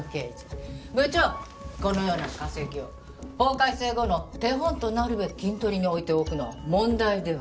部長このような化石を法改正後の手本となるべきキントリに置いておくのは問題では？